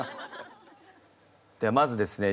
ではまずですね